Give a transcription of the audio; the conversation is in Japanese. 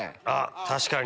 確かに。